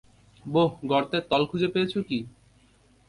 বোহ, গর্তের তল খুঁজে পেয়েছ কি?